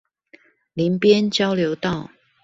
林邊交流道